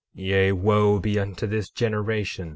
12:2 Yea, wo be unto this generation!